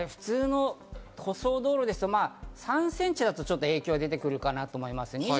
舗装道路ですと３ｃｍだと影響が出てくるかなと思います。